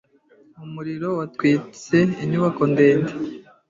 Umuriro watwitse inyubako ndende.